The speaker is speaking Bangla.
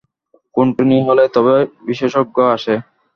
খুনটুনি হলে তবেই বিশেষজ্ঞ আসে।